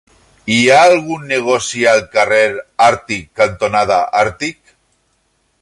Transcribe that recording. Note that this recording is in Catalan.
Hi ha algun negoci al carrer Àrtic cantonada Àrtic?